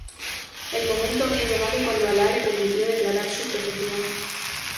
El momento había llegado cuando Allah le permitió declarar su profecía.